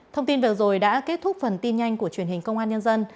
thông tin vừa rồi đã kết thúc phần tin nhanh của truyền hình công an nhân dân